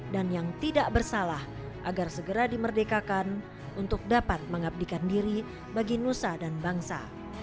yang tidak bersalah agar segera dimerdekakan untuk dapat mengabdikan diri bagi nusa dan bangsa